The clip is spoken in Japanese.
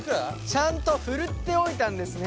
ちゃんとふるっておいたんですね。